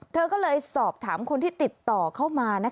เธอก็เลยสอบถามคนที่ติดต่อเข้ามา